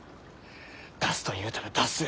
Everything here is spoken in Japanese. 出すと言うたら出す。